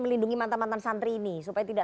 melindungi mantan mantan santri ini supaya tidak